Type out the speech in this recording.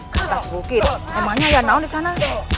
ke atas bukit emangnya ayah naon di sana